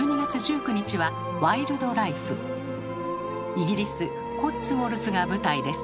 イギリスコッツウォルズが舞台です。